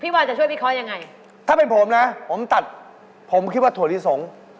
ว่าจะช่วยวิเคราะห์ยังไงถ้าเป็นผมนะผมตัดผมคิดว่าถั่วลิสง